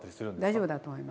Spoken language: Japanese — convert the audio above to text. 大丈夫だと思います。